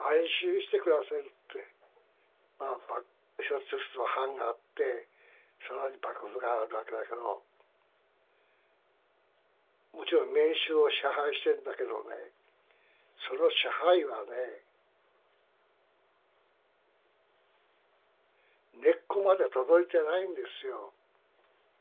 一つ一つの藩があって更に幕府があるわけだけどもちろん民衆を支配してるんだけどねその支配はね根っこまでは届いてないんですよ。